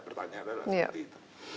pertanyaan adalah seperti itu